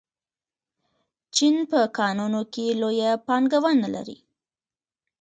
چین په کانونو کې لویه پانګونه لري.